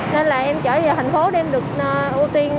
nên là em trở về tp hcm để em được ưu tiên